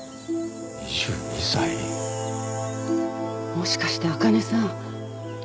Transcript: もしかしてあかねさん